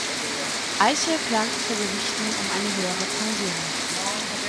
Eichel klagte vor Gerichten um eine höhere Pension.